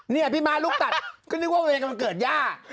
เนี่ยพี่ม้าลุกตัดก็นึกว่าเหมือนเกิดย่า